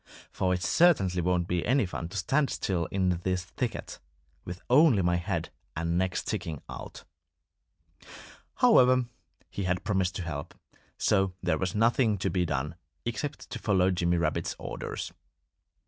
For it certainly won't be any fun to stand still in this thicket, with only my head and neck sticking out." However, he had promised to help. So there was nothing to be done except to follow Jimmy Rabbit's orders.